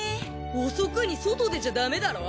遅くに外出ちゃだめだろ。